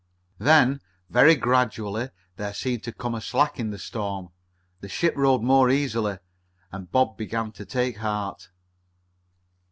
Then, very gradually, there seemed to come a slack in the storm. The ship rode more easily, and Bob began to take heart.